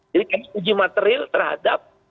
jadi kami uji material terhadap